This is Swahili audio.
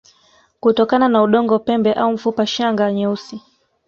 kutokana na udongo pembe au mfupa Shanga nyeusi